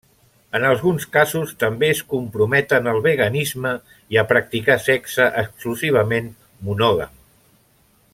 En alguns casos també es comprometen al veganisme i a practicar sexe exclusivament monògam.